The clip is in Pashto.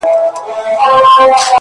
چي د وختونو له خدايانو څخه ساه واخلمه-